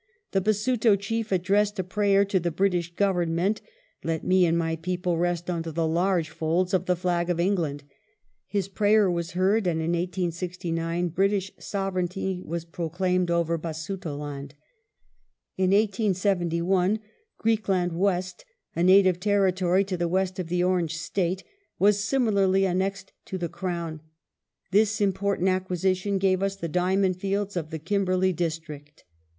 The Basuto Chief addressed a prayer to the British Government :" Let me and my people rest under the large folds of the flag of England ". His prayer was heard, and in 1869 British Sovereignty was proclaimed over Basutoland. In 1871 Griqualand West, a native territory to the west of the Orange State, was similarly annexed to the Crown. This im poi tant acquisition gave us the diamond fields of the Kimberley district.